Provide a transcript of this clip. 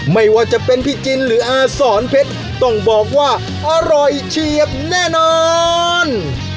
ไม่ว่าจะเป็นพี่จินหรืออาสอนเพชรต้องบอกว่าอร่อยเฉียบแน่นอน